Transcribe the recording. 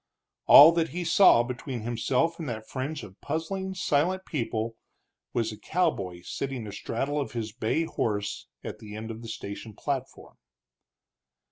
All that he saw between himself and that fringe of puzzling, silent people was a cowboy sitting astraddle of his bay horse at the end of the station platform.